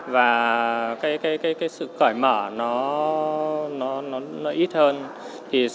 và trước khi đổi mới thì các sáng tác họ thường tập trung vào một cái chủ đề đề tài nhất định